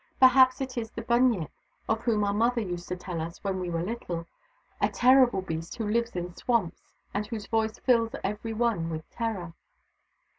Perhaps it is the Bunyip, of whom our mother used to tell us when we were little — a terrible beast who lives in swamps, and whose voice fills every one with terror."